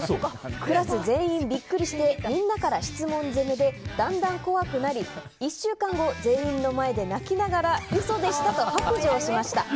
クラス全員、ビックリしてみんなから質問攻めでだんだん怖くなり１週間後、全員の前で泣きながら嘘でした！と白状しました。